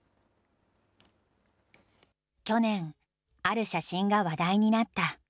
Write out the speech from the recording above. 去年、ある写真が話題になった。